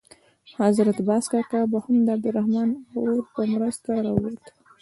حضرت باز کاکا به هم د عبدالرحمن اور په مرسته راووت.